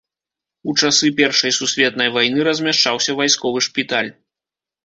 У часы першай сусветнай вайны размяшчаўся вайсковы шпіталь.